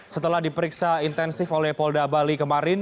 setelah diperiksa intensif oleh polda bali kemarin